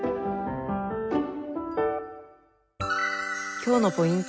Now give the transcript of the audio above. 今日のポイント